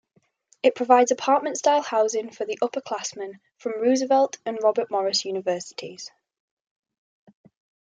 It provides apartment-style housing for upperclassmen from Roosevelt and Robert Morris Universities.